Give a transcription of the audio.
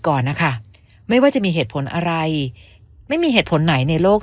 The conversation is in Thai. ก่อนนะคะไม่ว่าจะมีเหตุผลอะไรไม่มีเหตุผลไหนในโลก